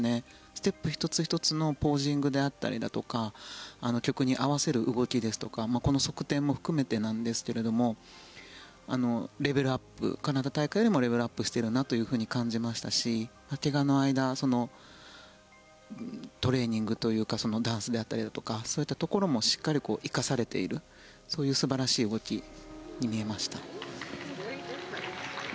ステップ１つ１つのポージングであったりだとか曲に合わせる動きですとかこの側転も含めてなんですがレベルアップカナダ大会よりもレベルアップしているなと感じましたし怪我の間、トレーニングというかダンスであったりだとかそういったところもしっかり生かされているそういう素晴らしい動きに見えました。